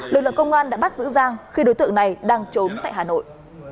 lực lượng công an đã bắt giữ giang khi đối tượng này đang trốn tại hà nội